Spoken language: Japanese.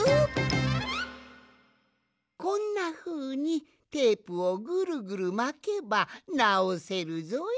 こんなふうにテープをぐるぐるまけばなおせるぞい。